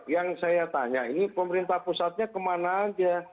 yang saya tanya ini pemerintah pusatnya kemana aja